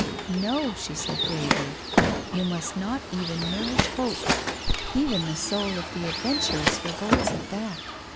' No,' she said gravely, ' you must not even nourish hopes. Even the soul of the adventuress revolts at that.